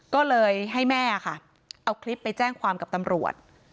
ก็เลยให้แม่ค่ะเอาคลิปไปแจ้งความกับตำรวจ